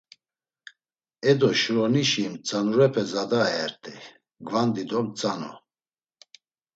E do şuronişi Mtzanurepe zade aert̆ey; Ğvandi do Mtzanu…